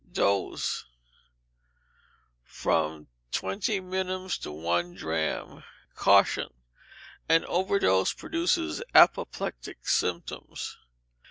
Dose, from twenty minims to one drachm. Caution. An overdose produces apoplectic symptoms.